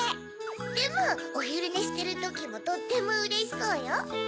でもおひるねしてるときもとってもうれしそうよ。